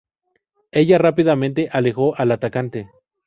Ella rápidamente alejó al atacante.